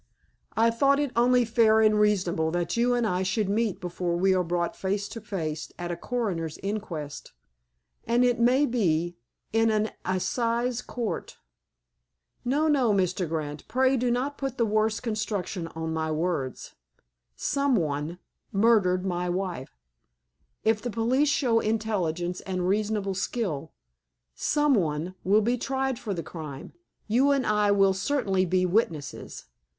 I thought it only fair and reasonable that you and I should meet before we are brought face to face at a coroner's inquest, and, it may be, in an Assize Court.... No, no, Mr. Grant. Pray do not put the worst construction on my words. Someone murdered my wife. If the police show intelligence and reasonable skill, someone will be tried for the crime. You and I will certainly be witnesses.